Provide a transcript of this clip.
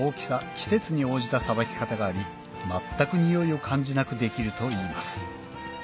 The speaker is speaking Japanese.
季節に応じたさばき方があり全くにおいを感じなくできるといいます